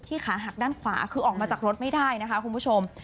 ขาหักด้านขวาคือออกมาจากรถไม่ได้นะคะคุณผู้ชม